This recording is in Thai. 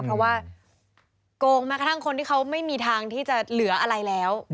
เพราะว่าโกงแม้กระทั่งคนที่เขาไม่มีทางที่จะเหลืออะไรแล้ว